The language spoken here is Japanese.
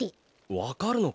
わかるのか？